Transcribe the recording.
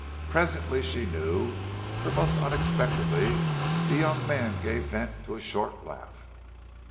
Presently she knew, for most unexpectedly the young man gave vent to a short laugh.